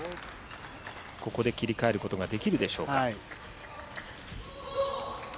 ここで切り替えることができるでしょうか。